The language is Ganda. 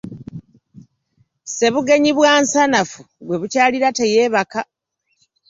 Ssebugenyi bwa nsanafu, gwe bukyalira teyeebaka.